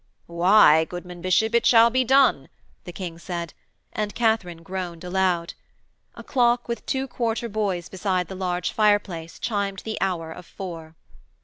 'Why, goodman Bishop, it shall be done,' the King said, and Katharine groaned aloud. A clock with two quarter boys beside the large fireplace chimed the hour of four.